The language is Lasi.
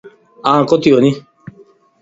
آن ڪوتي وڃين